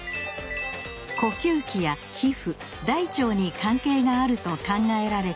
呼吸器や皮膚大腸に関係があると考えられています。